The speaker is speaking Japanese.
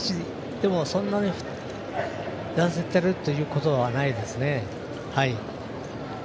でも、そんなに痩せてるということはないですね。